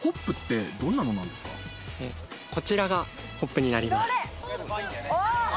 こちらがホップになります。